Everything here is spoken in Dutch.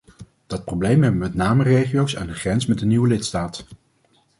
Dat probleem hebben met name regio´s aan de grens met een nieuwe lidstaat.